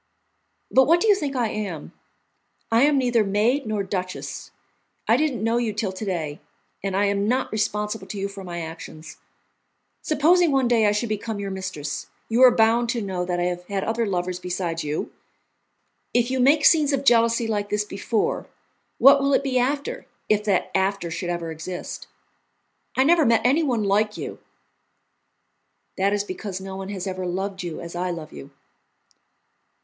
"But what do you think I am? I am neither maid nor duchess. I didn't know you till to day, and I am not responsible to you for my actions. Supposing one day I should become your mistress, you are bound to know that I have had other lovers besides you. If you make scenes of jealousy like this before, what will it be after, if that after should ever exist? I never met anyone like you." "That is because no one has ever loved you as I love you."